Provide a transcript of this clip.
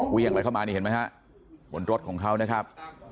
วิวไปเข้ามานี่เห็นไหมฮะบรรดุ์ของเขานะครับ